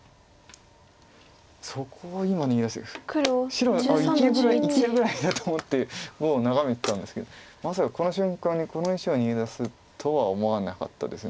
白生きるぐらいだと思ってもう眺めてたんですけどまさかこの瞬間にこの石を逃げ出すとは思わなかったです。